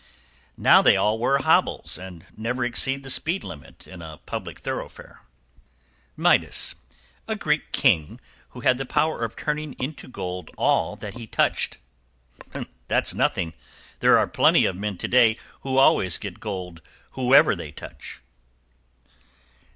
=Now they all wear hobbles, and never exceed the speed limit in a public thoroughfare.= MIDAS. A Greek king, who had the power of turning into gold all that he touched. =That's nothing! There are plenty of men to day who always get gold whoever they touch.